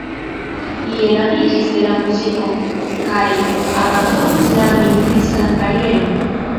Li enamiĝis de la muziko kaj abandonis la militistan karieron.